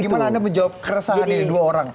gimana anda menjawab keresahan ini dua orang